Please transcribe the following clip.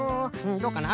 どうかな？